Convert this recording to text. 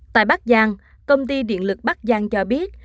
tại bắc giang công ty điện lực bắc giang cho biết